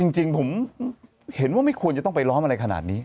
จริงผมเห็นว่าไม่ควรจะต้องไปล้อมอะไรขนาดนี้